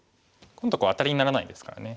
今度アタリにならないですからね。